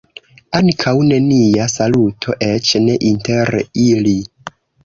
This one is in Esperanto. Ankaŭ nenia saluto, eĉ ne inter ili.